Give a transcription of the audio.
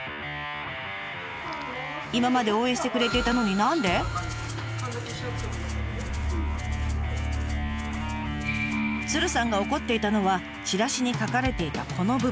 今まで応援してくれていたのに鶴さんが怒っていたのはチラシに書かれていたこの部分。